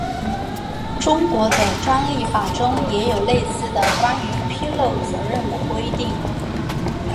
中国的专利法中也有类似的关于披露责任的规定。